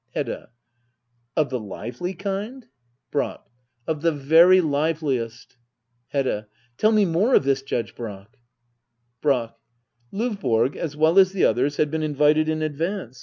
Hedda. Of the lively kind ? Brack. Of the very liveliest Hedda. Tell me more of this, Judge Brack Brack. Ldvborg, as well as the others, had been invited in advance.